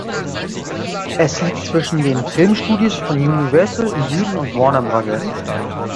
Es liegt zwischen den Filmstudios von Universal im Süden und Warner Bros.